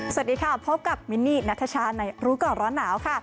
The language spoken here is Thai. สวัสดีค่ะพบกับมินนี่นัทชาในรู้ก่อนร้อนหนาวค่ะ